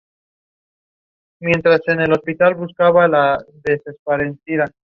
Se encuentra en Singapur e Indonesia.